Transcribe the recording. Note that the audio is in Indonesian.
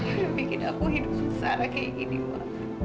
udah bikin aku hidup secara kayak gini ma